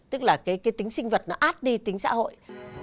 tức là cái tính sinh vật nó át đi tính xã hội